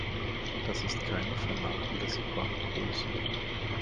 Das ist keine vernachlässigbare Größe.